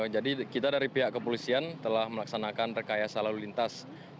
jadi kita dari pihak kepolisian telah melaksanakan rekayasa lalu lintas